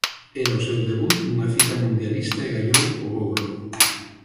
Era o seu debut nunha cita mundialista e gañou o ouro.